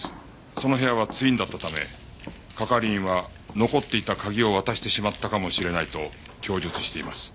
その部屋はツインだったため係員は残っていた鍵を渡してしまったかもしれないと供述しています。